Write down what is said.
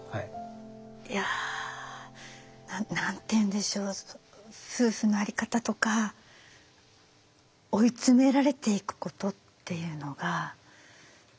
いや何て言うんでしょう夫婦の在り方とか追い詰められていくことっていうのが何でしょう